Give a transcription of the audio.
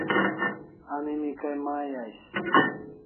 A mimi kay mai ais